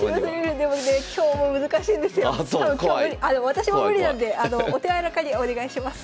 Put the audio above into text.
私も無理なんでお手柔らかにお願いします。